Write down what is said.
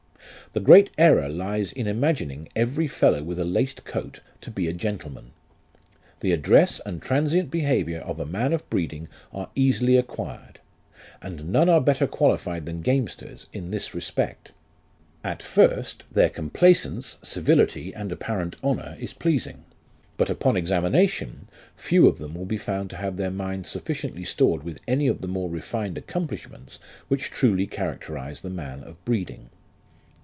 " The great error lies in imagining every fellow with a laced coat to be a gentleman. The address and transient behaviour of a man of breeding are easily acquired, and none are better qualified than gamesters in this respect. At first, their complaisance, civility and apparent honour is pleasing, but upon examination, few of them will be found to have their minds sufficiently stored with any of the more refined accomplishments which truly characterise the man of breeding.